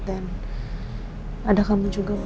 dan selamat untuk kamu